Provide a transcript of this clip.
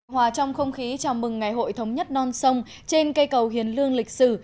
hòa trong không khí chào mừng ngày hội thống nhất non sông trên cây cầu hiền lương lịch sử